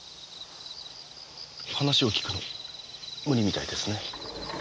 話を聞くの無理みたいですね。